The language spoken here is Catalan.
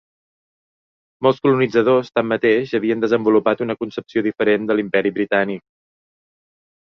Molts colonitzadors, tanmateix, havien desenvolupat una concepció diferent de l'Imperi Britànic.